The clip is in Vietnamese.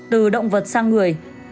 từ động vật sang người